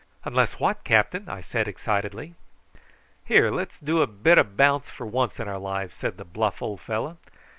"Unless what, captain?" I said excitedly. "Here, let's do a bit o' bounce for once in our lives," said the bluff old fellow.